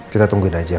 kita tungguin aja